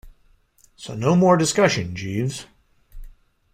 So no more discussion, Jeeves.